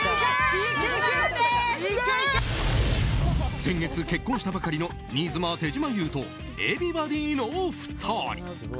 先月、結婚したばかりの新妻・手島優とＥｖｅｒｙｂｏｄｙの２人。